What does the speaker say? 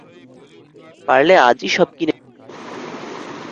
পারলে আজই সব কিনে নেব।